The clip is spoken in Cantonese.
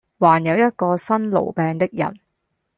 還有一個生癆病的人，